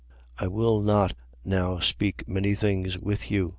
I will not now speak many things with you.